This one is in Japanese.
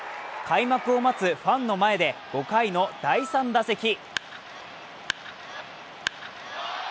開幕を待つファンの前で５回の第３打席。